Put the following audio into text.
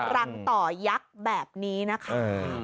รังต่อยักษ์แบบนี้นะคะ